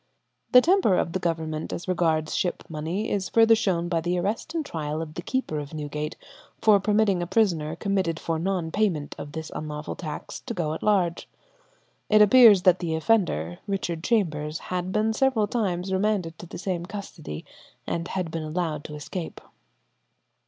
The temper of the Government as regards ship money is further shown by the arrest and trial of the keeper of Newgate for permitting a prisoner committed for non payment of this unlawful tax to go at large. It appears that the offender, Richard Chambers, had been several times remanded to the same custody, and had been allowed to escape.